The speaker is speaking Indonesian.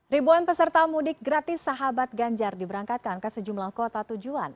ribuan peserta mudik gratis sahabat ganjar diberangkatkan ke sejumlah kota tujuan